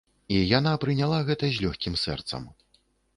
І яна прыняла гэта з лёгкім сэрцам.